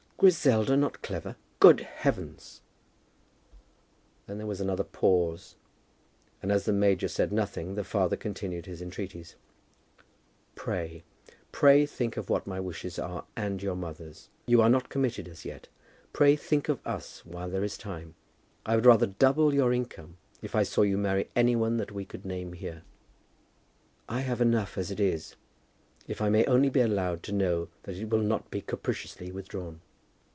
"Griselda not clever! Good heavens!" Then there was another pause, and as the major said nothing, the father continued his entreaties. "Pray, pray think of what my wishes are, and your mother's. You are not committed as yet. Pray think of us while there is time. I would rather double your income if I saw you marry any one that we could name here." "I have enough as it is, if I may only be allowed to know that it will not be capriciously withdrawn."